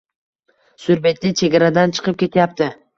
Surbetlik chegaradan chiqib ketyapti.